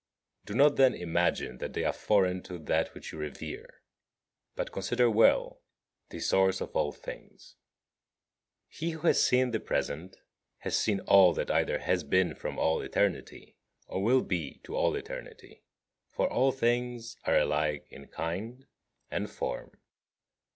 Do not, then, imagine that they are foreign to that which you revere, but consider well the source of all things. 37. He who has seen the present has seen all that either has been from all eternity, or will be to all eternity, for all things are alike in kind and form.